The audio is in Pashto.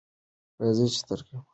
راځئ چې دا ترکیب وساتو.